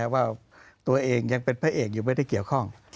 ว่าตัวเองยังเป็นพระเอกอยู่ไม่ได้เกี่ยวข้อง